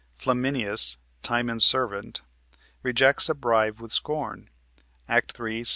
Flaminius, Timon's servant, rejects a bribe with scorn (Act 3, Sc.